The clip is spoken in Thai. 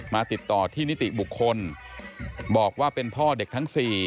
ติดต่อที่นิติบุคคลบอกว่าเป็นพ่อเด็กทั้ง๔